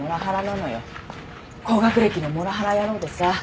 高学歴のモラハラ野郎でさ。